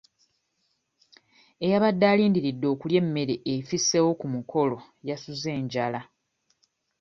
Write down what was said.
Eyabadde alindiridde okulya emmere efisseewo ku mukolo yasuze njala.